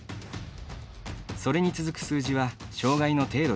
それに続く数字は障がいの程度です。